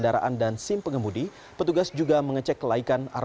rem tangan masih ada